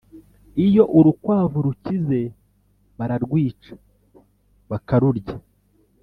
Iyo urukwavu rukize bararwica bakarurya